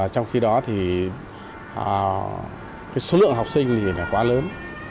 thì số lượng học sinh thì quá lớn